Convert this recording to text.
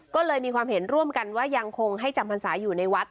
ก็เลยมีความเห็นร่วมกันว่ายังคงให้จำพรรษาอยู่ในวัด